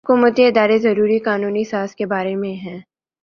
حکومتی ادارے ضروری قانون سازی کے بارے میں بے